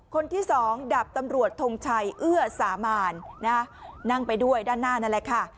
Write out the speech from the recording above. คนที่สองดับตำรวจทงชัยเอื้อสามานนั่งไปด้วยด้านหน้านั่นแหละค่ะ